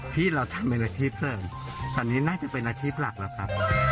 ที่เราทำเป็นอาชีพเสริมตอนนี้น่าจะเป็นอาชีพหลักแล้วครับ